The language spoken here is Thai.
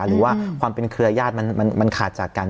หรือว่าความเป็นเครือญาติมันขาดจากกัน